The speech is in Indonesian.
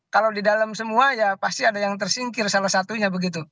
kalau di dalam semua ya pasti ada yang tersingkir salah satunya begitu